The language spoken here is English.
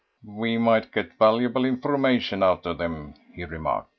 "We might get valuable information out of them," he remarked.